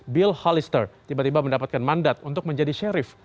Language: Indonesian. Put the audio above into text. bill hollister tiba tiba mendapatkan mandat untuk menjadi sheriff